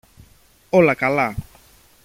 όλα καλά